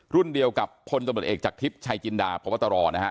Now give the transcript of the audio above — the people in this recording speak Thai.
รุ่นเดียวกับผตจชายจินดาพตรนะฮะ